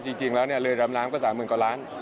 จริงแล้วเลยฤยรำนำก็๓๐ล้านกว่าล้าน